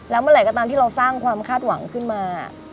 แล้วเมื่อไหร่ก็ตามที่เราสร้างความคาดหวังขึ้นมา